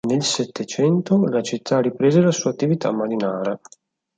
Nel Settecento la città riprese la sua attività marinara.